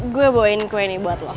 gue bawain kue nih buat lo